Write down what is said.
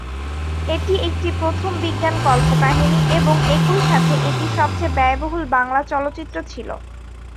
এটি একটি প্রথম বিজ্ঞান কল্পকাহিনী এবং একই সাথে এটি সবচেয়ে ব্যয়বহুল বাংলা চলচ্চিত্র ছিল।